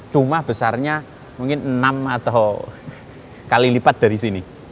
cuma besarnya mungkin enam atau kali lipat dari sini